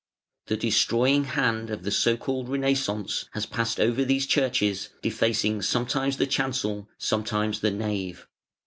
The destroying hand of the so called Renaissance has passed over these churches, defacing sometimes the chancel, sometimes the nave.